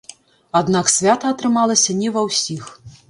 Аднак свята атрымалася не ва ўсіх.